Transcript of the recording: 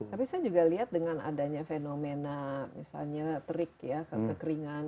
tapi saya juga lihat dengan adanya fenomena misalnya terik ya kekeringan